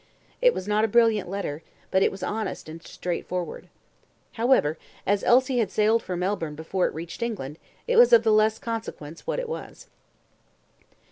It was not a brilliant letter, but it was honest and straightforward. However, as Elsie had sailed for Melbourne before it reached England, it was of the less consequence what it was.